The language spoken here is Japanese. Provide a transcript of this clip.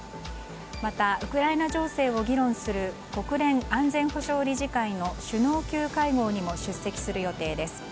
また、ウクライナ情勢を議論する国連安全保障理事会の首脳級会合にも出席する予定です。